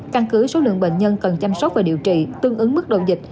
căn cứ số lượng bệnh nhân cần chăm sóc và điều trị tương ứng mức độ dịch